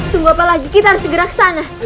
tunggu apa lagi kita harus segera ke sana